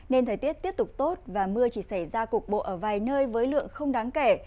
nên thời tiết tiếp tục tốt và mưa chỉ xảy ra cục bộ ở vài nơi với lượng không đáng kể